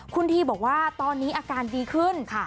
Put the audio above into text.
คุณทีบอกว่าตอนนี้อาการดีขึ้น